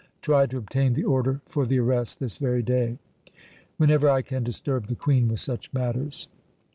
Try to obtain the order for the arrest this very day." "Whenever I can disturb the Queen with such matters."